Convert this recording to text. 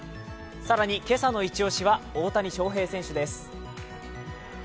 更に今朝のイチ押しは大谷翔平選手です。